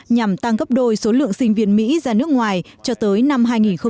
nhằm tăng gấp đôi số lượng sinh viên mỹ ra nước ngoài cho tới năm hai nghìn hai mươi